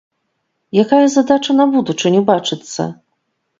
Якая задача на будучыню бачыцца?